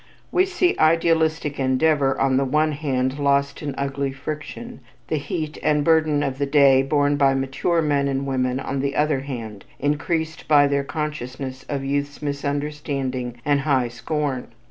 We see idealistic endeavor on the one hand lost in ugly friction; the heat and burden of the day borne by mature men and women on the other hand, increased by their consciousness of youth's misunderstanding and high scorn.